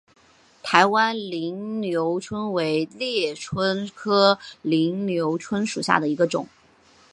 台湾菱瘤蝽为猎蝽科菱瘤蝽属下的一个种。